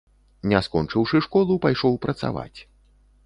Не скончыўшы школу, пайшоў працаваць.